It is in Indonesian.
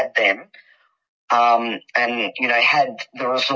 dan memiliki sumber yang mereka